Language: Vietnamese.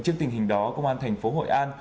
trước tình hình đó công an thành phố hội an